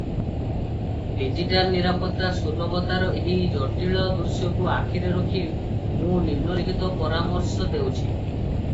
Digital ନିରାପତ୍ତା ସୁଲଭତାର ଏହି ଜଟିଳ ଦୃଶ୍ୟକୁ ଆଖିରେ ରଖି ମୁଁ ନିମ୍ନଲିଖିତ ପରାମର୍ଶ ଦେଉଛି ।